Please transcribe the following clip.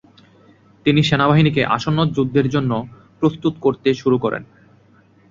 তিনি সেনাবাহিনীকে আসন্ন যুদ্ধের জন্য প্রস্তুত করতে শুরু করেন।